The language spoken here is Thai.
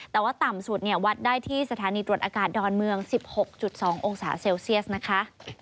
แต่ว่าต่ำสุดเนี่ยวัดได้ที่สถานีตรวจอากาศดอนเมือง๑๖๒องศาเซลเซียสนะคะ